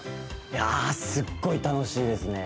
いやすっごい楽しいですね。